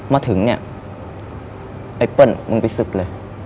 มาถึงเนี่ยไอ้เปิ้ลมึงไปศึกเลย